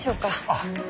あっ。